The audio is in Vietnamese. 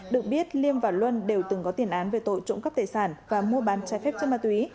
được biết liêm và luân đều từng có tiền án về tội trụng cấp tài sản và mua bán trái phép trên ma túy